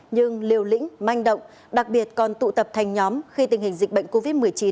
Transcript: nhưng liều lĩnh manh động đặc biệt còn tụ tập thành nhóm khi tình hình dịch bệnh covid một mươi chín